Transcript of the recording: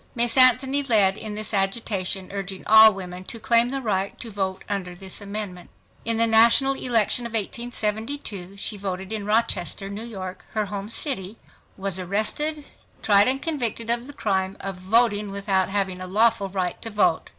Miss Anthony led in this agitation, urging all women to claim the right to vote under this amendment. In the national election of 1872 she voted in Rochester, New York, her home city, was arrested, tried and convicted of the crime of "voting without having a lawful right to vote."